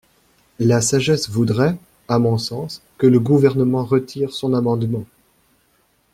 La sagesse voudrait, à mon sens, que le Gouvernement retire son amendement.